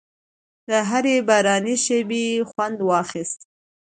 له هرې باراني شېبې خوند واخیست.